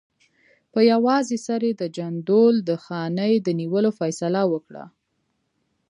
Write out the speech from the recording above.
په یوازې سر یې د جندول د خانۍ د نیولو فیصله وکړه.